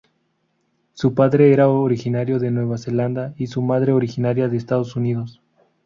Su padre era originario de Nueva Zelanda y su madre originaria de Estados Unidos.